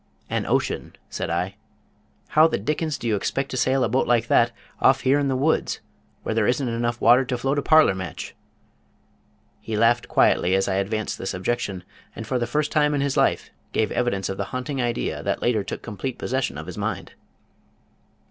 "An ocean," said I. "How the dickens do you expect to sail a boat like that off here in the woods, where there isn't enough water to float a parlor match?" He laughed quietly as I advanced this objection, and for the first time in his life gave evidence of the haunting idea that later took complete possession of his mind.